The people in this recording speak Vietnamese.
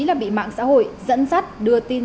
là bị mạng xã hội dẫn dắt đưa tin